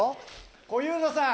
小遊三さん。